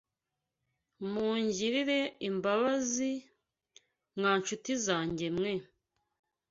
Mungirire imbabazi, mwa ncuti zanjye mwe!